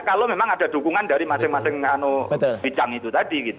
kalau memang ada dukungan dari masing masing bincang itu tadi